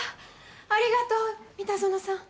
ありがとう三田園さん。